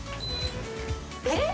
えっ？